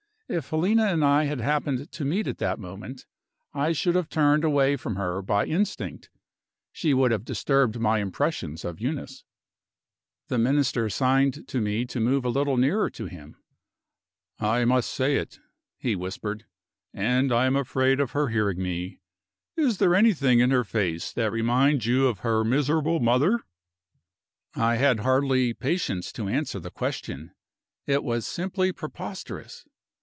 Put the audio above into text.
If Helena and I had happened to meet at that moment, I should have turned away from her by instinct she would have disturbed my impressions of Eunice. The Minister signed to me to move a little nearer to him. "I must say it," he whispered, "and I am afraid of her hearing me. Is there anything in her face that reminds you of her miserable mother?" I had hardly patience to answer the question: it was simply preposterous.